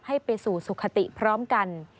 ให้ไปสู่สุขติพร้อมกัน